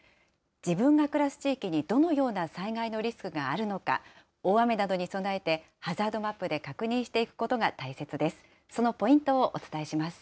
自分が暮らす地域にどのような災害のリスクがあるのか、大雨などに備えて、ハザードマップで確認していくことが大切です。